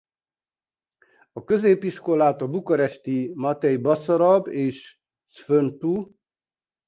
A középiskolát a bukaresti Matei Basarab és Sf.